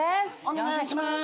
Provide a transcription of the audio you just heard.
お願いします。